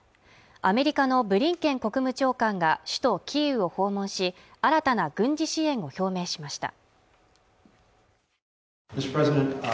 アメリカのブリンケン国務長官が首都キーウを訪問し新たな軍事支援を表明しました